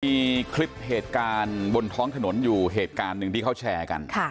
มีคลิปเหตุการณ์บนท้องถนนอยู่เหตุการณ์หนึ่งที่เขาแชร์กัน